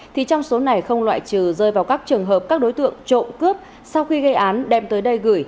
thì trong số này không loại trừ rơi vào các trường hợp các đối tượng trộm cướp sau khi gây án đem tới đây gửi